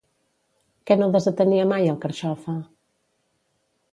Què no desatenia mai el Carxofa?